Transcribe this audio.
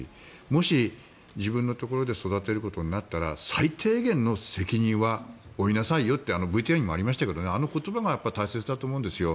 もし、自分のところで育てることになったら最低限の責任は負いなさいよというＶＴＲにもありましたがあの言葉が大切だと思うんです。